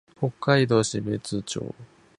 北海道標津町